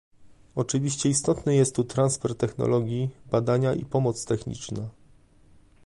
Oczywiście istotny jest tu transfer technologii, badania i pomoc techniczna